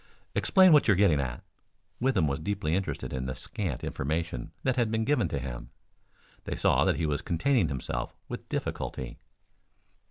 "Explain what you are getting at." Withem was deeply interested in the scant information that had been given to him. They saw that he was containing himself with difficulty.